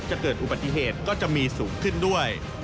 จะเกิดอุบัติเหตุก็จะมีสูงขึ้นด้วย